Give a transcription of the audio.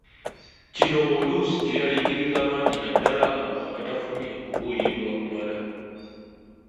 Kino oluusi kyeraliikiriza bangi naddala abo abatafunye kubuulirirwa kumala.